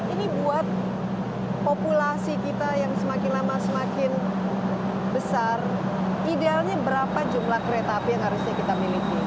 ini buat populasi kita yang semakin lama semakin besar idealnya berapa jumlah kereta api yang harusnya kita miliki